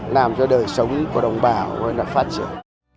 làm cho đời sống của đồng bào phát triển